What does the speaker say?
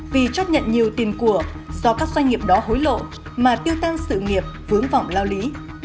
vì chấp nhận nhiều tiền của do các doanh nghiệp đó hối lộ mà tiêu tăng sự nghiệp vướng vọng lao lý